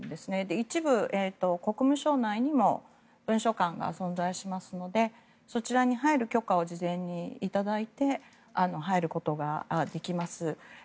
一部、国務省内にも文書館が存在するのでそちらに入る許可を事前にいただいて入ることができます。